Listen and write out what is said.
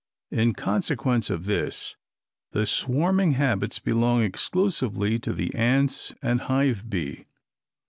In consequence of this the swarming habits belong exclusively to the ants and hive bee.